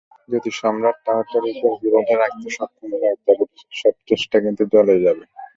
যদি সম্রাট টাওয়ারটার উপর হীরাটা রাখতে সক্ষম হয়, সব চেষ্টা কিন্তু জলে যাবে।